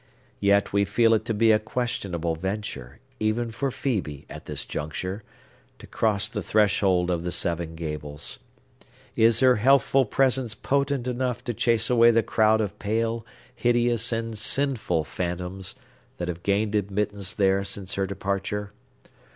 Yet we feel it to be a questionable venture, even for Phœbe, at this juncture, to cross the threshold of the Seven Gables. Is her healthful presence potent enough to chase away the crowd of pale, hideous, and sinful phantoms, that have gained admittance there since her departure?